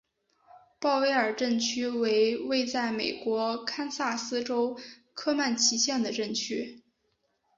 鲍威尔镇区为位在美国堪萨斯州科曼奇县的镇区。